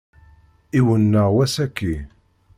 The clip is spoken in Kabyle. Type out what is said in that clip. Iwenneɛ wass-aki.